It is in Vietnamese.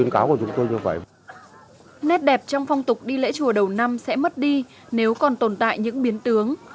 các dân tục đi lễ chùa đầu năm sẽ mất đi nếu còn tồn tại những biến tướng